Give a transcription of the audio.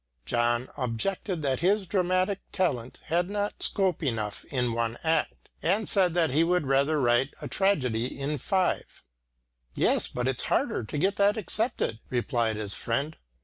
John objected that his dramatic talent had not scope enough in one act, and said that he would rather write a tragedy in five. "Yes, but it is harder to get that accepted," replied his friend.